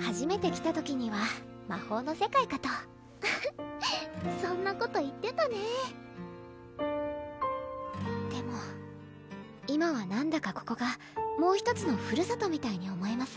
はじめて来た時には魔法の世界かとフフッそんなこと言ってたねでも今はなんだかここがもう１つのふるさとみたいに思えます